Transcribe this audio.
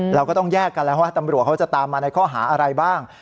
เราก็ต้องแยกกันแล้วว่าตำรวจเขาจะตามมาในข้อหาอะไรบ้าง